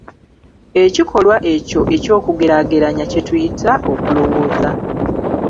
Ekikolwa ekyo eky'okugeraageranya kye tuyita Okulowoza.